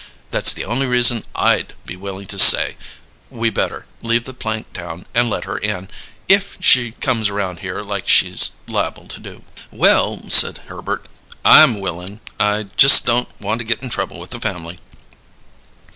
That's the only reason I'd be willing to say we better leave the plank down and let her in, if she comes around here like she's liable to." "Well," said Herbert. "I'm willing. I don't want to get in trouble with the family."